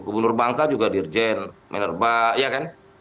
gubernur bangka juga dirjen minerba ya kan